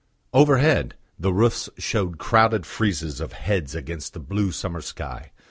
Overhead the roofs showed crowded friezes of heads against the blue summer sky.